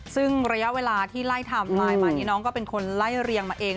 ซึ่งระยะเวลาที่ไล่ไทม์ไลน์มานี่น้องก็เป็นคนไล่เรียงมาเอง